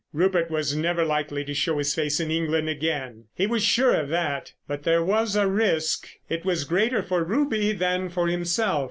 Rupert was never likely to show his face in England again, he was sure of that. But there was a risk. It was greater for Ruby than for himself.